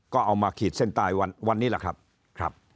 ก็เอามาขีดเส้นใต้วันนี้แหละครับ